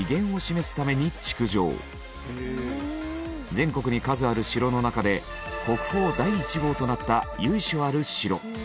全国に数ある城の中で国宝第１号となった由緒ある城。